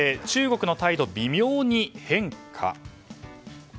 中国の態度、微妙に変化？